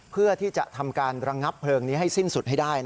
เพื่อที่จะทำการระงับเพลิงนี้ให้สิ้นสุดให้ได้